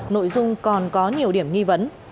nội dung còn có nhiều điểm nghi vấn